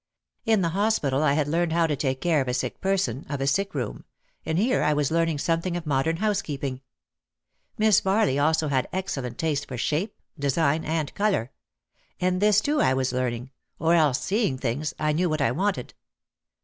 In the hospital I had learned how to take care of a sick person, of a sick room; and here I was learning something of modern housekeeping. Miss Farly also had excellent taste for shape, design and colour. And this too I was learning — or else, seeing things, I knew what I wanted.